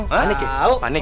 panik ya panik